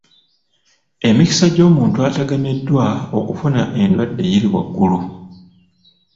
Emikisa gy'omuntu atagameddwa okufuna endwadde giri waggulu.